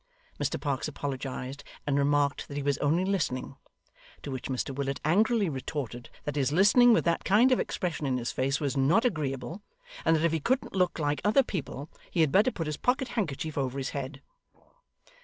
Mr Parkes apologised, and remarked that he was only listening; to which Mr Willet angrily retorted, that his listening with that kind of expression in his face was not agreeable, and that if he couldn't look like other people, he had better put his pocket handkerchief over his head.